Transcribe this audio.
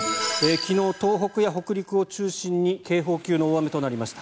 昨日、東北や北陸を中心に警報級の大雨となりました。